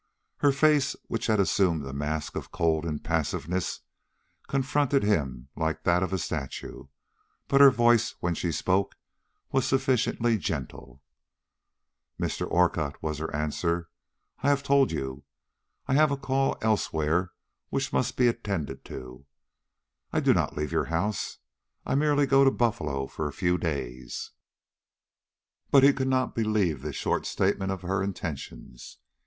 Her face, which had assumed a mask of cold impassiveness, confronted him like that of a statue, but her voice, when she spoke, was sufficiently gentle. "Mr. Orcutt," was her answer, "I have told you. I have a call elsewhere which must be attended to. I do not leave your house; I merely go to Buffalo for a few days." But he could not believe this short statement of her intentions.